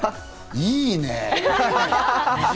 いいね！